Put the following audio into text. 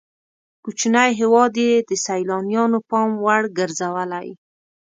کوچنی هېواد یې د سیلانیانو پام وړ ګرځولی.